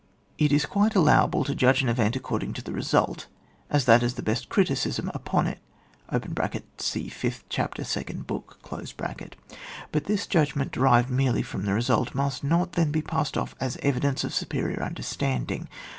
85 It is quite allowable to judge an event according to the result, as that is the best criticism upon it (see fifth chapter, 2nd book), but this judgment derived merely from the result, must not then be passed off as evidence of superior under standing.